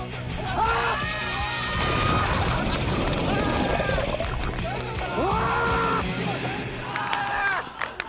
ああ！